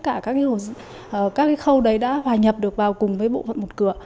các khâu đấy đã hòa nhập được vào cùng với bộ phận một cửa